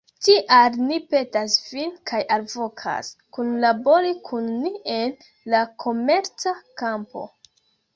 Tial, ni petas vin kaj alvokas, kunlabori kun ni en la komerca kampo.